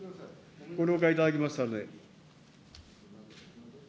ご了解いただきましたので。